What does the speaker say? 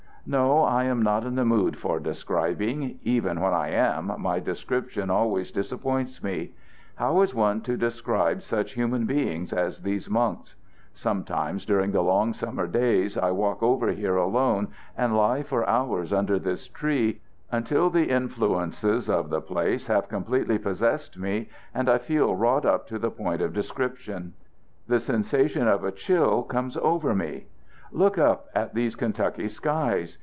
"No; I am not in the mood for describing. Even when I am, my description always disappoints me. How is one to describe such human beings as these monks? Sometimes, during the long summer days, I walk over here alone and lie for hours under this tree, until the influences of the place have completely possessed me and I feel wrought up to the point of description. The sensation of a chill comes over me. Look up at these Kentucky skies!